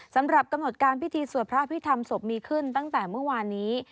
สำหรับกำหนดการพิธีสวดพระอภิษฐรรมศพมีขึ้นตั้งแต่เมื่อวานนี้